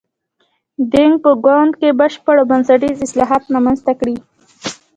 دینګ په ګوند کې بشپړ او بنسټیز اصلاحات رامنځته کړي.